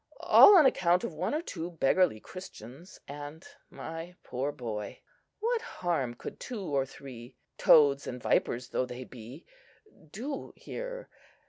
—all on account of one or two beggarly Christians, and my poor boy. What harm could two or three, toads and vipers though they be, do here?